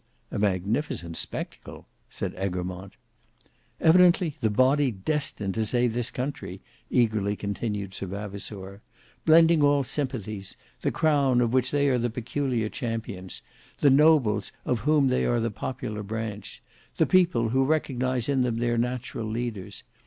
"A magnificent spectacle!" said Egremont. "Evidently the body destined to save this country," eagerly continued Sir Vavasour. "Blending all sympathies: the crown of which they are the peculiar champions; the nobles of whom they are the popular branch; the people who recognize in them their natural leaders.